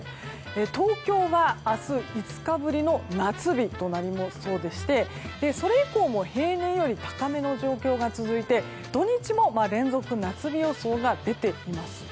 東京は明日、５日ぶりの夏日となりそうでしてそれ以降も平年より高めの状況が続いて土日も連続夏日予想が出ています。